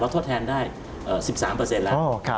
ทดแทนได้๑๓แล้ว